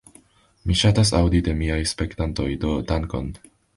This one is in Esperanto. Mi ŝatas aŭdi de miaj spektantoj. Do dankon.